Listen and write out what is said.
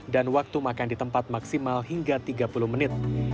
dan waktu makan di tempat maksimal hingga tiga puluh menit